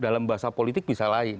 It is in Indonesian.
dalam bahasa politik bisa lain